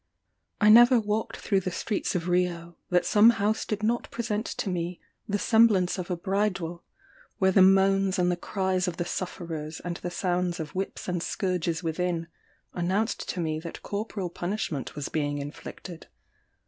I never walked through the streets of Rio, that some house did not present to me the semblance of a bridewell, where the moans and the cries of the sufferers, and the sounds of whips and scourges within, announced to me that corporal punishment was being inflicted.